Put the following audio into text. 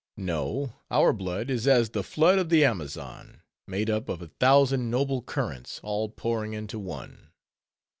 No: our blood is as the flood of the Amazon, made up of a thousand noble currents all pouring into one.